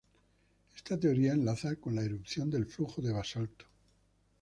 Esta teoría enlaza con la erupción del flujo de basalto.